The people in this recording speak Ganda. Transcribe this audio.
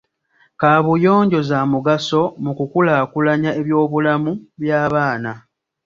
Kaabuyonjo za mugaso mu kukulaakulanya ebyobulamu by'abaana.